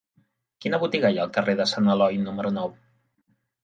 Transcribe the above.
Quina botiga hi ha al carrer de Sant Eloi número nou?